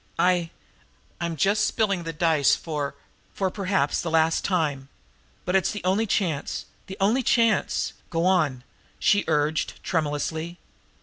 I I'm just spilling the dice for for perhaps the last time but it's the only chance the only chance. Go on!" she urged tremulously.